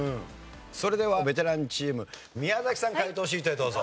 それではベテランチーム宮崎さん解答シートへどうぞ。